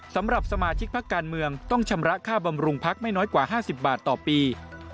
สำหรับสมาชิกพักการเมืองต้องชำระค่าบำรุงพักไม่น้อยกว่า๕๐บาทต่อปี